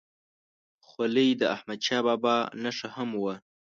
خولۍ د احمدشاه بابا نښه هم وه.